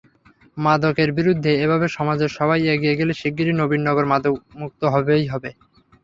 মাদকের বিরুদ্ধে এভাবে সমাজের সবাই এগিয়ে এলে শিগগিরই নবীনগর মাদকমুক্ত হবেই হবে।